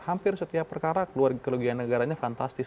hampir setiap perkara kerugian negaranya fantastis